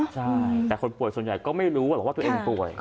ใช่แต่คนป่วยส่วนใหญ่ก็ไม่รู้หรอกว่าตัวเองป่วย